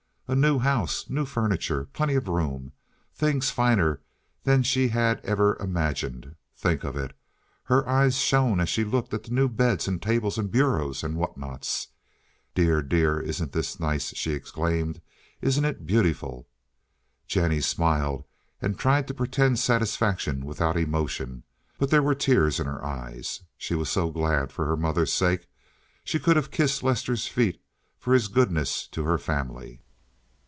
A new house, new furniture, plenty of room—things finer than she had ever even imagined—think of it! Her eyes shone as she looked at the new beds and tables and bureaus and whatnots. "Dear, dear, isn't this nice!" she exclaimed. "Isn't it beautiful!" Jennie smiled and tried to pretend satisfaction without emotion, but there were tears in her eyes. She was so glad for her mother's sake. She could have kissed Lester's feet for his goodness to her family.